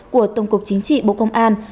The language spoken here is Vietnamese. của tổng cục chính trị bộ công an